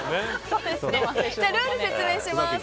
ルールを説明します。